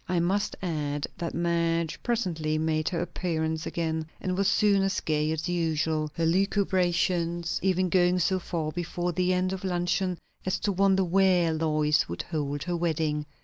I must add that Madge presently made her appearance again, and was soon as gay as usual; her lucubrations even going so far before the end of luncheon as to wonder where Lois would hold her wedding.